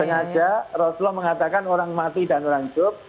tengah tengah rasulullah mengatakan orang mati dan orang hidup